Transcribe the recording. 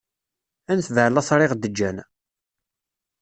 Ad netbeɛ lateṛ i ɣ-d-ğğan.